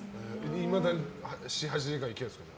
いまだに７８時間いけるんですか？